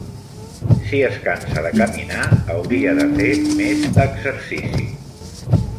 Si es cansa de caminar hauria de fer més exercici.